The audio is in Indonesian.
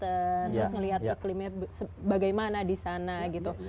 terus melihat iklimnya bagaimana di sana gitu